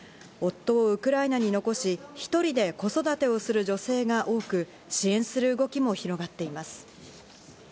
夫をウクライナに残し、一人で子育てをする女性が多く、支援する動きも広がっています。